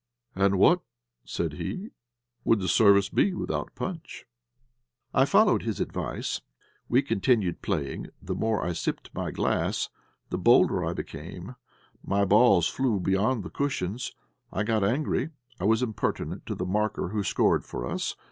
"And what," said he, "would the service be without punch?" I followed his advice. We continued playing, and the more I sipped my glass, the bolder I became. My balls flew beyond the cushions. I got angry; I was impertinent to the marker who scored for us.